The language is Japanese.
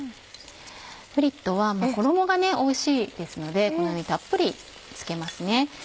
フリットは衣がおいしいですのでこのようにたっぷり付けますね。